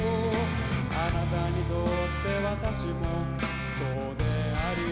「あなたにとって私もそうでありたい」